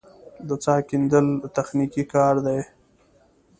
د څاه کیندل تخنیکي کار دی